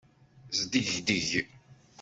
Sdegdeg.